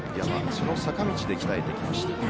その坂道で鍛えてきました。